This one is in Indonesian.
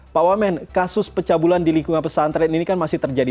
pak wamen kasus pecabulan di lingkungan pesantren ini kan masih terjadi